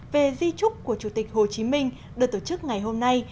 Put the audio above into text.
về di trúc của chủ tịch hồ chí minh được tổ chức ngày hôm nay